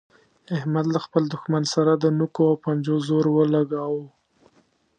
احمد له خپل دوښمن سره د نوکو او پنجو زور ولګاوو.